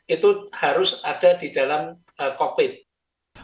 itu harus ada di dalam covid